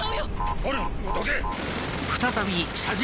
コルンどけ！